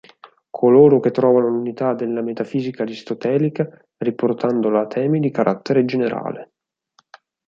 Coloro che trovano l'unità della metafisica aristotelica riportandola a temi di carattere generale.